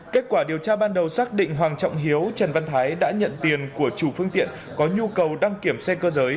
kết quả điều tra ban đầu xác định hoàng trọng hiếu trần văn thái đã nhận tiền của chủ phương tiện có nhu cầu đăng kiểm xe cơ giới